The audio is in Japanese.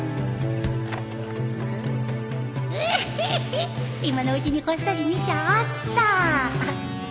ヘッヘッヘッ今のうちにこっそり見ちゃおうっと